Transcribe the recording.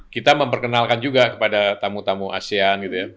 kita memperkenalkan juga kepada tamu tamu asean gitu ya